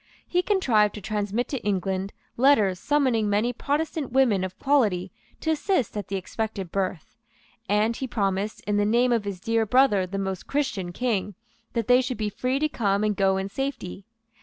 He contrived to transmit to England letters summoning many Protestant women of quality to assist at the expected birth; and he promised, in the name of his dear brother the Most Christian King, that they should be free to come and go in safety.